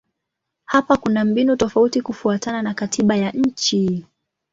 Hapa kuna mbinu tofauti kufuatana na katiba ya nchi.